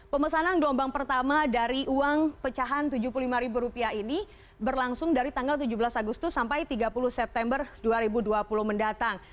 pemesanan gelombang pertama dari uang pecahan rp tujuh puluh lima ini berlangsung dari tanggal tujuh belas agustus sampai tiga puluh september dua ribu dua puluh mendatang